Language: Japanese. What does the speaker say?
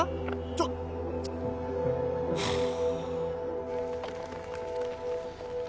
ちょっはあ